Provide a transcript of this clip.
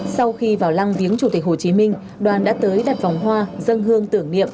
sau khi vào lăng viếng chủ tịch hồ chí minh đoàn đã tới đặt vòng hoa dân hương tưởng niệm